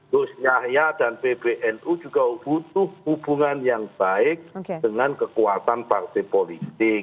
gus yahya dan pbnu juga butuh hubungan yang baik dengan kekuatan partai politik